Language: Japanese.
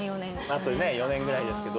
あとね４年ぐらいですけど。